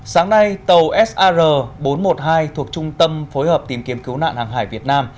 sáng nay tàu sar bốn trăm một mươi hai thuộc trung tâm phối hợp tìm kiếm cứu nạn hàng hải việt nam